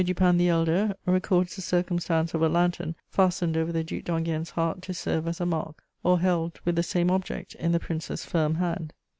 Dupin the Elder records the circumstance of a lantern fastened over the Duc d'Enghien's heart to serve as a mark, or held, with the same object, in the Prince's firm hand.